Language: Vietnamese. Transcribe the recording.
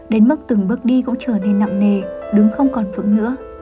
đến mức từng bước đi cũng trở nên nặng nề đứng không còn phượng nữa